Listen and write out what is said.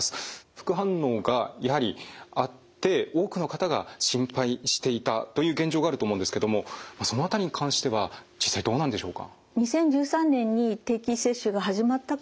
副反応がやはりあって多くの方が心配していたという現状があると思うんですけどもその辺りに関しては実際どうなんでしょうか？